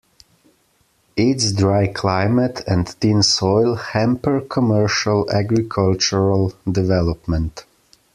Its dry climate and thin soil hamper commercial agricultural development.